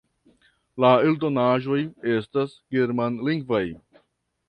La eldonaĵoj estas germanlingvaj.